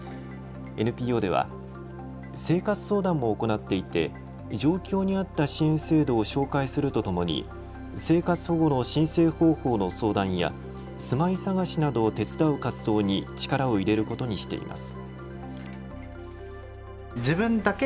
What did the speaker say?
ＮＰＯでは生活相談も行っていて状況に合った支援制度を紹介するとともに生活保護の申請方法の相談や住まい探しなどを手伝う活動に力を入れることにしています。